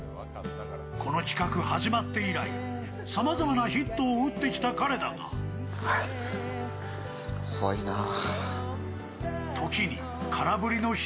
この企画始まって以来、さまざまなヒットを打ってきた彼だがレッツゴー！